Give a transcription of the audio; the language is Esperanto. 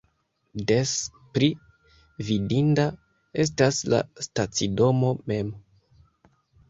Des pli vidinda estas la stacidomo mem.